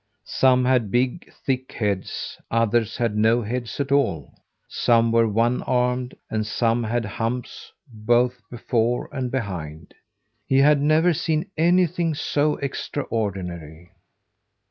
Some had big, thick heads; others had no heads at all. Some were one armed, and some had humps both before and behind. He had never seen anything so extraordinary.